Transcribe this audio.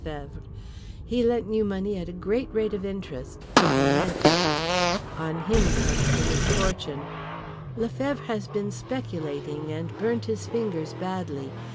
He lent you money at a great rate of interest, but he lent it. On him comes the misfortune. Lefevre has been speculating and burnt his fingers badly.